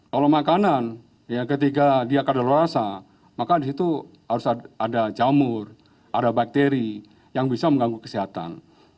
kalau makanan ketika dia kadaluasa maka disitu harus ada jamur ada bakteri yang bisa mengganggu kesehatan